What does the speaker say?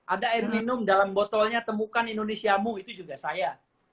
ada air minum dalam botolnya temukan indonesiamu itu juga saya